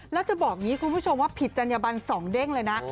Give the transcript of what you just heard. แล้วจะบอกอย่างนี้คุณผู้ชมว่าผิดจัญญบันสองเด้งเลยนะ